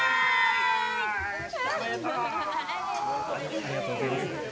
ありがとうございます。